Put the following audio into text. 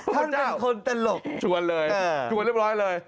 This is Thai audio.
ท่านเป็นคนแต่หลกชวนเลยชวนเรียบร้อยเลย